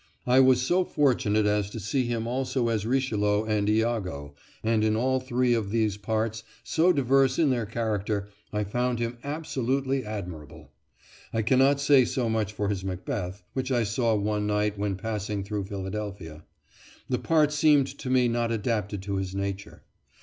I was so fortunate as to see him also as Richelieu and Iago, and in all three of these parts, so diverse in their character I found him absolutely admirable. I cannot say so much for his Macbeth, which I saw one night when passing through Philadelphia. The part seemed to me not adapted to his nature.